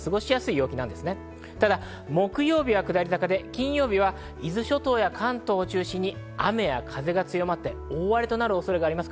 木曜日は下り坂で、金曜日は伊豆諸島や関東を中心に雨や風が強まって大荒れとなる恐れがあります。